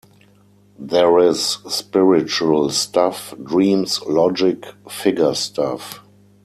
There is spiritual stuff, dreams, logic, figure-stuff...